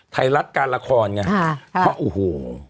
ไทยรัฐการละครไงเพราะโอ้โห